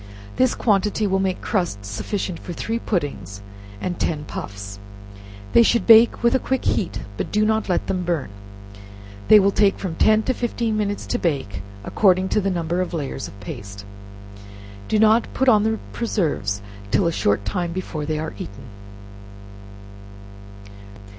This quantity will make crust sufficient for three puddings and ten puffs. They should bake with a quick beat, but do not let them burn, they will take from ten to fifteen minutes to bake, according to the number of layers of paste. Do not put on the preserves till a short time before they are eaten.